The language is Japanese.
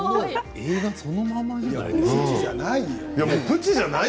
映画そのままじゃない。